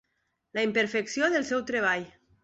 La imperfecció del seu treball.